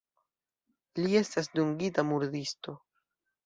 Li estas dungita murdisto.